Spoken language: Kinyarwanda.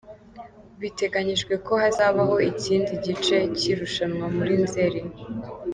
Biteganyijwe ko hazabaho ikindi gice cy’irushanwa muri Nzeri.